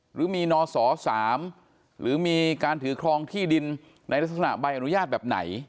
หรือมีนศ๓หรือมีการถือครองที่ดินในลักษณะใบอนุญาตแบบไหน